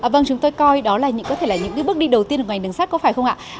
vâng chúng tôi coi đó có thể là những bước đi đầu tiên của ngành đường sắt có phải không ạ